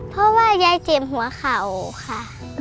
เพราะว่ายายเจ็บหัวเข่าค่ะ